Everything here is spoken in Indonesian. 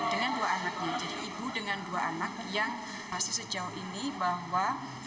dan dengan dua anaknya jadi ibu dengan dua anak yang masih sejauh ini bahwa